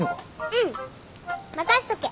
うん任せとけ。